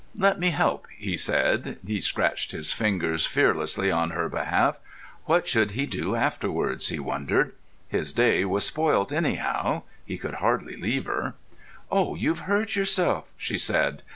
"Let me help," he said. He scratched his fingers fearlessly on her behalf. What should he do afterwards? he wondered. His day was spoilt anyhow. He could hardly leave her. "Oh, you've hurt yourself!" she said.